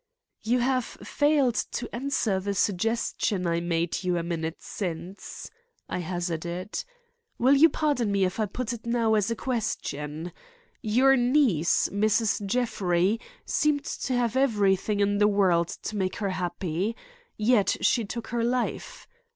"You have failed to answer the suggestion I made you a minute since," I hazarded. "Will you pardon me if I put it now as a question? Your niece, Mrs. Jeffrey, seemed to have everything in the world to make her happy, yet she took her life.